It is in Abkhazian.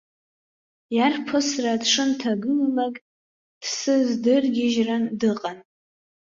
Иарԥысра дшынҭагылалак дсыздыргьежьран дыҟан.